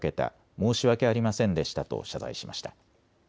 申し訳ありませんでしたと謝罪しました。